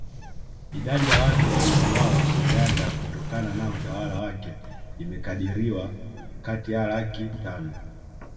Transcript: Idadi ya watu waliouawa Uganda kutokana na utawala wake imekadiriwa kati ya laki tano